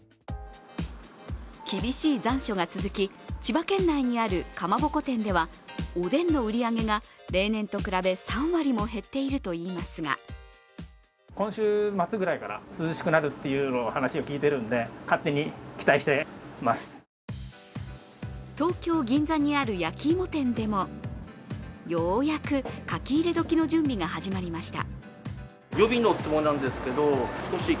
厳しい残暑が続き、千葉県内にあるかまぼこ店ではおでんの売り上げが例年と比べ３割も減っているといいますが東京・銀座にある焼き芋店でもようやく書き入れ時の準備が始まりました。